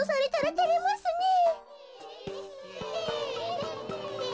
てれますねえ。